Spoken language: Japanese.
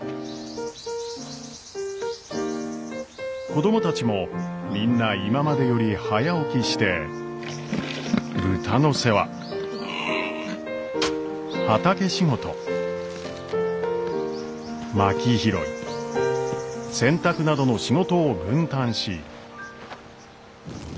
子供たちもみんな今までより早起きして豚の世話畑仕事まき拾い洗濯などの仕事を分担し。